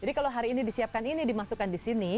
jadi kalau hari ini disiapkan ini dimasukkan di sini